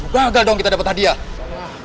gagal dong kita dapat hadiah